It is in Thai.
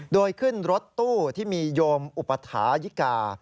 โดยขึ้นรถตู้ที่มีโยมอุปถายิกา